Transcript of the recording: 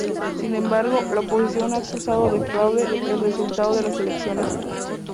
Sin embargo, la oposición ha acusado de fraude el resultado de las elecciones.